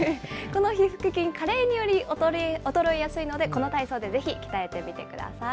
このひ腹筋、加齢により衰えやすいので、この体操でぜひ鍛えてみてください。